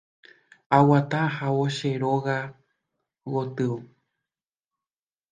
Aguata ahávo che róga gotyo.